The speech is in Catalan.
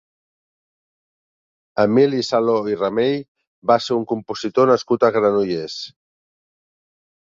Emili Saló i Ramell va ser un compositor nascut a Granollers.